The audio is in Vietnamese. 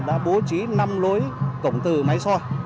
đã bố trí năm lối cổng tư máy soi